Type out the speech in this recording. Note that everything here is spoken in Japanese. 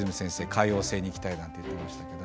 海王星に行きたいなんて言ってましたけど